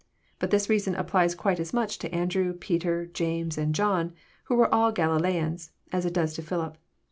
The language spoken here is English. But this reason applies quite as much to Andrew, Peter, James,, and John, who were all Galileans, as it does to Philip.